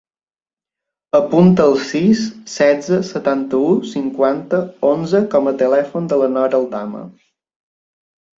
Apunta el sis, setze, setanta-u, cinquanta, onze com a telèfon de la Nora Aldama.